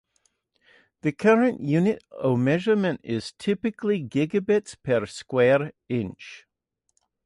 The current unit of measure is typically gigabits per square inch.